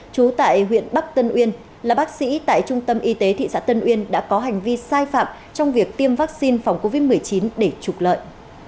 trú tại huyện bắc tân uyên là bác sĩ tại trung tâm y tế thị xã tân uyên đã có hành vi sai phạm trong việc tiêm vaccine phòng covid một mươi chín để trục lợi